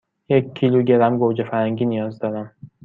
یک کیلوگرم گوجه فرنگی نیاز دارم.